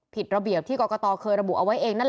ผิดระเบียบที่กรกตเคยระบุเอาไว้เองนั่นแหละ